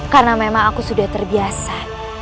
karena memang aku sudah terbiasa